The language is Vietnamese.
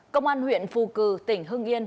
công an huyện phù cử tỉnh hưng yên